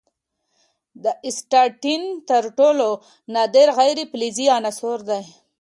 د اسټاټین تر ټولو نادر غیر فلزي عنصر دی.